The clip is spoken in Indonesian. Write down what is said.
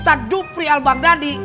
ustad dupri al baghdadi